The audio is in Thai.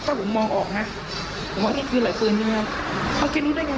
ถ้าผมมองออกครับผมว่านี่คือหลายเปลือนใช่ไหมครับโอเครู้ได้ไง